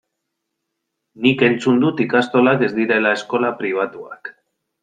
Nik entzun dut ikastolak ez direla eskola pribatuak.